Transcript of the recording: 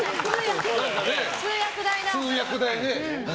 通訳代ね。